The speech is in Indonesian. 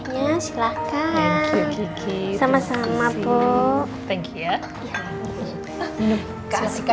ya tehnya silahkan